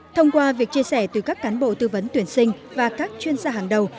thông qua việc chia sẻ từ các cán bộ tư vấn tuyển sinh và các chuyên gia hàng đầu